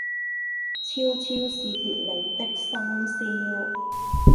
悄悄是別離的笙簫